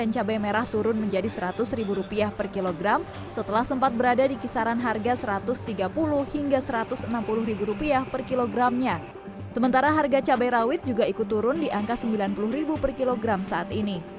jumlah cabai juga ikut turun di angka sembilan puluh ribu per kilogram saat ini